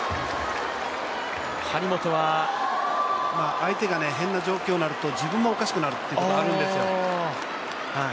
相手が変な状況になると、自分もおかしくなることがあるんですよ。